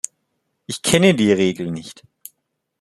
Ich kenne die Regel nicht.